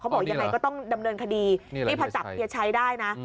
บอกยังไงก็ต้องดำเนินคดีนี่พอจับเฮียชัยได้นะ